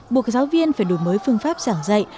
buộc giáo viên phải đổi mới phương pháp giảng dạy